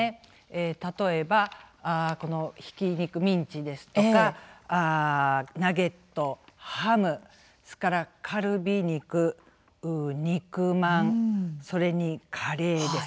例えば、ひき肉、ミンチですとかナゲット、ハムそれからカルビ肉肉まん、それにカレー。